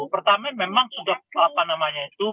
pertamina memang sudah apa namanya itu